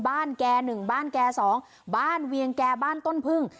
บ้านแกหนึ่งบ้านแกสองบ้านเวียงแกบ้านต้นพึ่ง